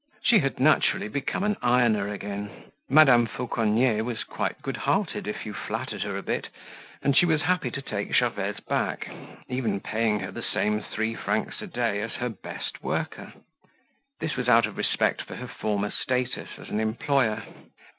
She had naturally become an ironer again. Madame Fauconnier was quite good hearted if you flattered her a bit, and she was happy to take Gervaise back, even paying her the same three francs a day as her best worker. This was out of respect for her former status as an employer.